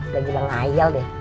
gak usah ngayal deh